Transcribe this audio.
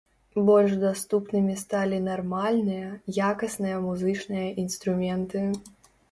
Больш даступнымі сталі нармальныя, якасныя музычныя інструменты.